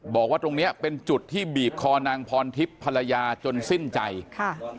บอกว่าตรงเนี้ยเป็นจุดที่บีบคอนางพรทิพย์ภรรยาจนสิ้นใจค่ะ